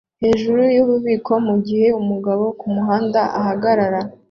hejuru yububiko mugihe umugabo kumuhanda ahagarara